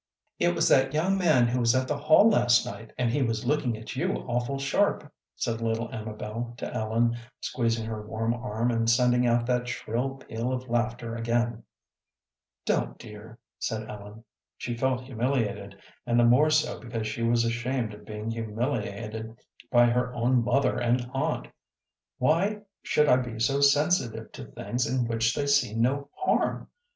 "It was that young man who was at the hall last night, and he was looking at you awful sharp," said little Amabel to Ellen, squeezing her warm arm, and sending out that shrill peal of laughter again. "Don't, dear," said Ellen. She felt humiliated, and the more so because she was ashamed of being humiliated by her own mother and aunt. "Why should I be so sensitive to things in which they see no harm?"